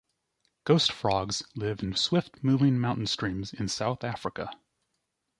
Ghost frogs live in swift-moving mountain streams in South Africa.